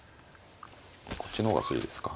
こっちの方が筋ですか。